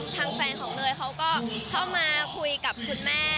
ทางแฟนของเนยเขาก็เข้ามาคุยกับคุณแม่